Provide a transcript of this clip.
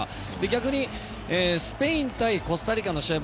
逆にスペイン対コスタリカの試合